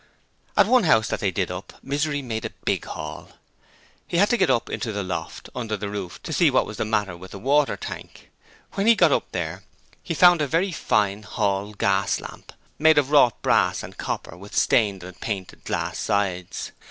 At one house that they 'did up' Misery made a big haul. He had to get up into the loft under the roof to see what was the matter with the water tank. When he got up there he found a very fine hall gas lamp made of wrought brass and copper with stained and painted glass sides.